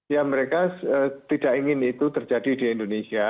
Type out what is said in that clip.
ya mereka tidak ingin itu terjadi di indonesia